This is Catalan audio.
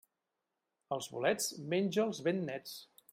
Els bolets, menja'ls ben nets.